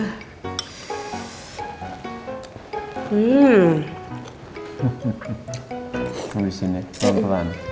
kamu bisa nih pelan pelan